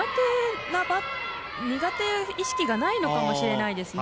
苦手意識がないのかもしれないですね。